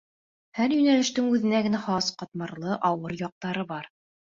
Һәр йүнәлештең үҙенә генә хас ҡатмарлы, ауыр яҡтары бар.